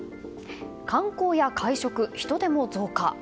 観光や会食、人出も増加。